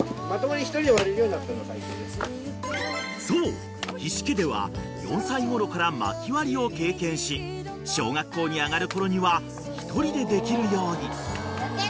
［そう菱家では４歳ごろから薪割りを経験し小学校に上がるころには１人でできるように］